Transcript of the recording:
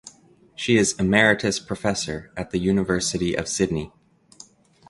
She is Emeritus Professor at the University of Sydney.